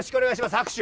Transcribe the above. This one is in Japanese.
拍手。